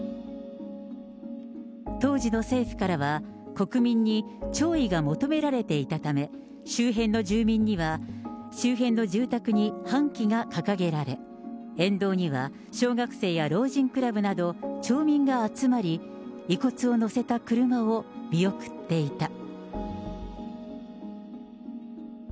当時の政府からは、国民に弔意が求められていたため、周辺の住民には、周辺の住宅に半旗が掲げられ、沿道には小学生や老人クラブなど、町民が集まり、遺骨を乗せた車を見送っていた。